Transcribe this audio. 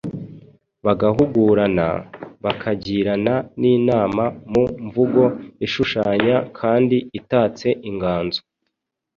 bagahugurana, bakagirana n’inama mu mvugo ishushanya kandi itatse inganzo.